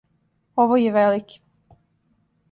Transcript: Ово је велики.